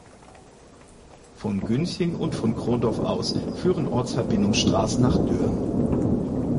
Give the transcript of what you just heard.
Von Günching und von Krondorf aus führen Ortsverbindungsstraßen nach Dürn.